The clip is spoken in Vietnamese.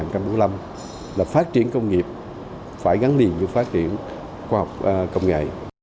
đó là phát triển công nghiệp phải gắn liền với phát triển khoa học công nghệ